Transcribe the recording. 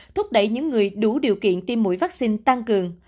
thúc đẩy những người đủ điều kiện tiêm mũi vaccine tăng cường